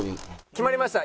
決まりました。